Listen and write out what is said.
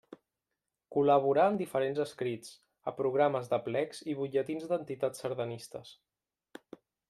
Col·laborà en diferents escrits, a programes d'aplecs i butlletins d'entitats sardanistes.